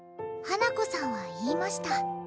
花子さんは言いました